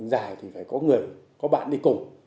dài thì phải có người có bạn đi cùng